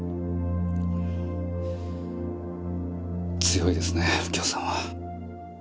強いですね右京さんは。